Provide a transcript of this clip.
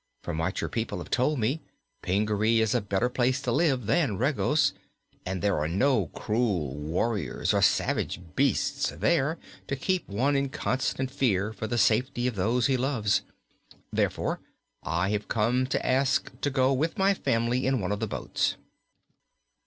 From what your people have told me, Pingaree is a better place to live than Regos, and there are no cruel warriors or savage beasts there to keep one in constant fear for the safety of those he loves. Therefore, I have come to ask to go with my family in one of the boats."